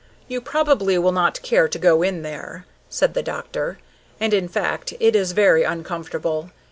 "You probably will not care to go in there," said the doctor, "and, in fact, it is very uncomfortable.